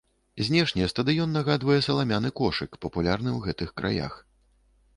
Знешне стадыён нагадвае саламяны кошык, папулярны ў гэты краях.